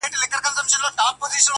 دا موږ ولي همېشه غم ته پیدا یو!.